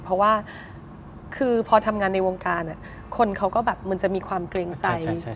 เพราะว่าคือพอทำงานในวงการคนเขาก็แบบมันจะมีความเกรงใจ